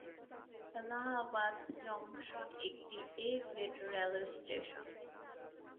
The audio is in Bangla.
এলাহাবাদ জংশন একটি 'এ' গ্রেড রেলওয়ে স্টেশন।